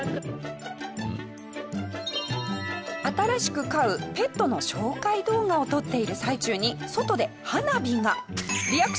新しく飼うペットの紹介動画を撮っている最中に外で花火が。